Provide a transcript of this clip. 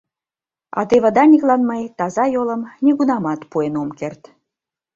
А теве Даниклан мый таза йолым нигунамат пуэн ом керт.